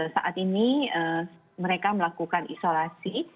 saat ini mereka melakukan isolasi